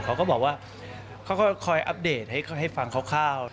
เขาก็บอกว่าเขาก็คอยอัปเดตให้ฟังคร่าว